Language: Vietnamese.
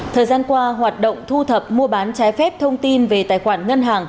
thời gian qua hoạt động thu thập mua bán trái phép thông tin về tài khoản ngân hàng